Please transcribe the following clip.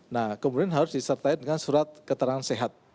nah kemudian harus disertai dengan surat keterangan sehat